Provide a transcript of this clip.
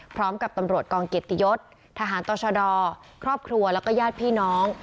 พร้อมกับตำรวจกองเกียรติยศทหารต่อชดครอบครัวแล้วก็ญาติพี่น้อง